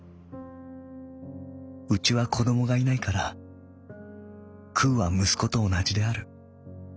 「うちは子どもがいないからくうは息子とおなじである。